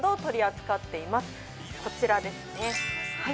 こちらですねはい。